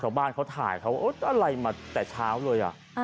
ชาวบ้านเขาถ่ายเขาอะไรมาแต่เช้าเลย